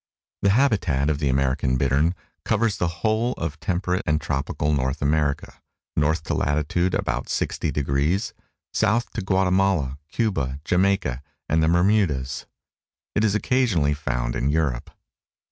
The habitat of the American bittern covers the whole of temperate and tropical North America, north to latitude about 60 degrees, south to Guatemala, Cuba, Jamaica and the Bermudas. It is occasionally found in Europe.